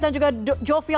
dan juga jovi lopet